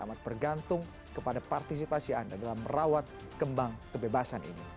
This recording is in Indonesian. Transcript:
amat bergantung kepada partisipasi anda dalam merawat kembang kebebasan ini